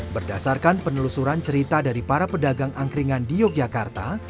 berdasarkan penelusuran cerita dari para pedagang angkringan di yogyakarta